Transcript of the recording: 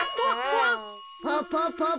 パパパパ。